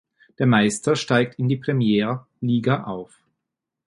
Der Meister steigt in die Premijer Liga auf.